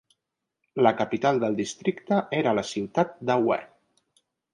La capital del districte era la ciutat d'Aue.